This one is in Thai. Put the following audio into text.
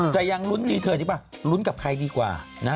ใจยังรุ้นดีเธอดีกว่ารุ้นกับใครดีกว่านะ